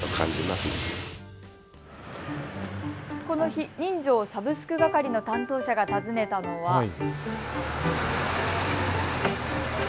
この日、人情サブス区係の担当者が訪ねたのは。